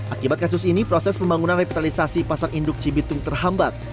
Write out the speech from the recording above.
akibat kasus ini proses pembangunan revitalisasi pasar induk cibitung terhambat